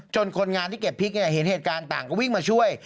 คนงานที่เก็บพริกเห็นเหตุการณ์ต่างก็วิ่งมาช่วย